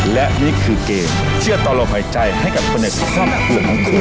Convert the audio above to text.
และนี่คือเกมเชื่อต่อลมหายใจให้กับคนในครอบครัวของคุณ